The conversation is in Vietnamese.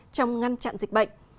trong ngăn chặn dịch bệnh